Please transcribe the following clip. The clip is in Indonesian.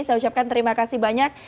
saya ucapkan terima kasih banyak